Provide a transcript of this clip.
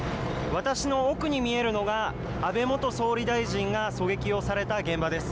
私の奥に見えるのが安倍元総理大臣が狙撃をされた現場です。